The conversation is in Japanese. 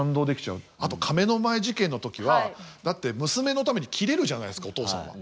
あと亀の前事件の時はだって娘のためにキレるじゃないですかお父さんは。